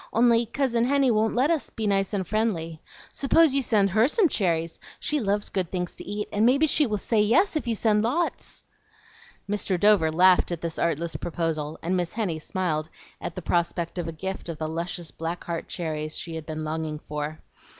Only, Cousin Henny won't let us be nice and friendly. S'pose you send HER some cherries; she loves good things to eat, and maybe she will say yes, if you send lots." Mr. Dover laughed at this artless proposal, and Miss Henny smiled at the prospect of a gift of the luscious black heart cherries she had been longing for.